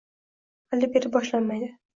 Hali beri boshlanmaydi.